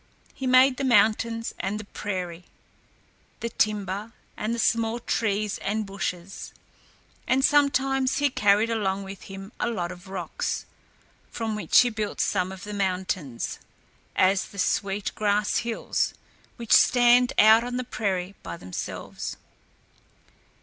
He made the mountains and the prairie, the timber and the small trees and bushes, and sometimes he carried along with him a lot of rocks, from which he built some of the mountains as the Sweet Grass Hills which stand out on the prairie by themselves.